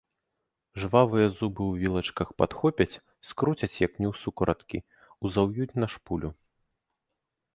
Жвавыя зубы ў вілачках падхопяць, скруцяць як ні ў сукараткі, узаўюць на шпулю.